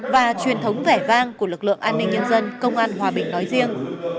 và truyền thống vẻ vang của lực lượng an ninh nhân dân công an hòa bình nói riêng